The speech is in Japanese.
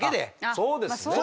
まあそうですね。